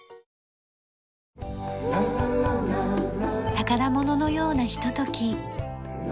宝物のようなひととき。